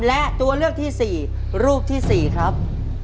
และตัวเลือกที่๔รูปที่๔ครับ